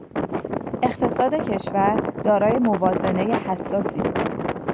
اقتصاد کشور دارای موازنهی حساسی بود.